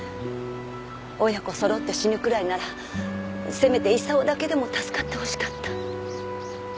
親子そろって死ぬくらいならせめて功だけでも助かってほしかった。